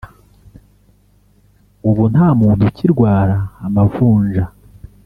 ubu nta muntu ukirwara amavunja